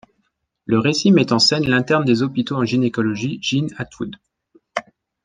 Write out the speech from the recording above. Le récit met en scène l'interne des hôpitaux en gynécologie Jean Atwood.